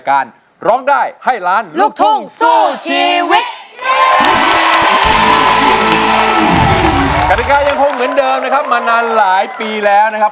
ก็เหมือนเดิมนะครับมานานหลายปีแล้วนะครับ